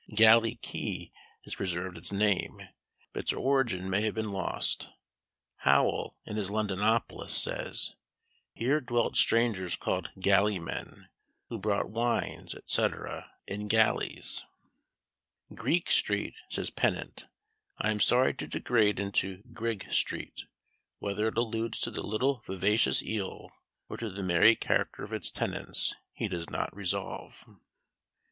Galley key has preserved its name, but its origin may have been lost. Howell, in his "Londinopolis," says, "here dwelt strangers called Galley men, who brought wines, &c. in Galleys." "Greek street," says Pennant, "I am sorry to degrade into Grig street;" whether it alludes to the little vivacious eel, or to the merry character of its tenants, he does not resolve.